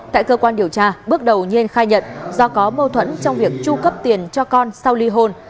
tại cơ quan điều tra bước đầu nhên khai nhận do có mâu thuẫn trong việc tru cấp tiền cho con sau ly hôn